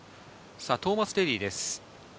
トーマス・デーリーです。